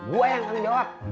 gua yang akan jawab